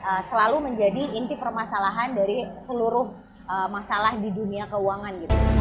itu selalu menjadi inti permasalahan dari seluruh masalah di dunia keuangan gitu